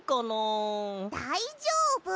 だいじょうぶ！